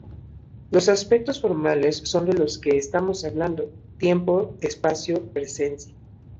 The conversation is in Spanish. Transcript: Los aspectos formales son de lo que estamos hablando: tiempo-espacio-presencia.